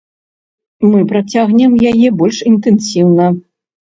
Мы працягнем яе больш інтэнсіўна.